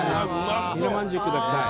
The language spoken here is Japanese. ニラまんじゅうください。